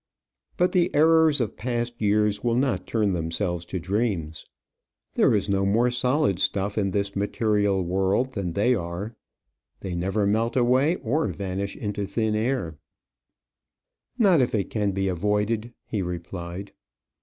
But the errors of past years will not turn themselves to dreams. There is no more solid stuff in this material world than they are. They never melt away, or vanish into thin air. "Not if it can be avoided," he replied.